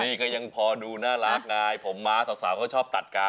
นี่ก็ยังพอดูน่ารักไงผมม้าสาวก็ชอบตัดกา